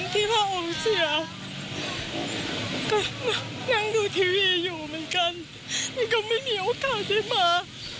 ดีจังว่าพวกเขาได้มา